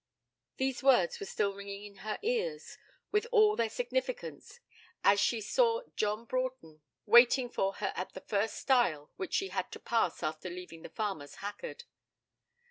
These words were still ringing in her ears with all their significance as she saw John Broughton waiting for her at the first stile which she had to pass after leaving the farmer's haggard.